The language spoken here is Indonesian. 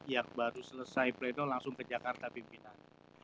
yang baru selesai pleno langsung ke jakarta pimpinan